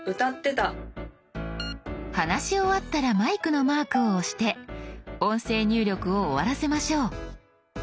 話し終わったらマイクのマークを押して音声入力を終わらせましょう。